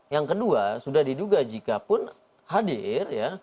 yang kedua sudah diduga jika pun hadir